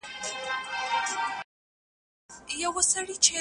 په انګریزي کي د لارښود لپاره بېلابېلې کلمې سته.